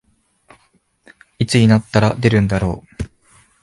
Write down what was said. いつになったら出るんだろう